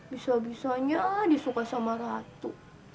bisa bisanya disuka sama ratu